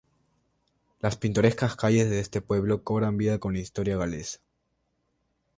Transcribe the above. Las pintorescas calles de este pueblo cobran vida con historia galesa.